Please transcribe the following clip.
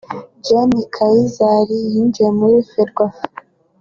Gen Kayizari yinjiye muri Ferwafa